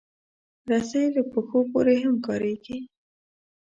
رسۍ له پښو پورې هم کارېږي.